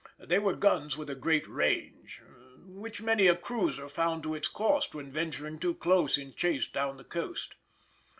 They were guns with a great range, which many a cruiser found to its cost when venturing too close in chase down the coast.